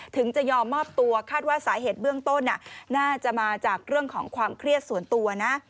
จะยอมมอบตัวคาดว่าสาเหตุเบื้องต้นน่าจะมาจากเรื่องของความเครียดส่วนตัวนะ